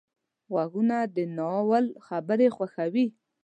غوږونه د ناول خبرې خوښوي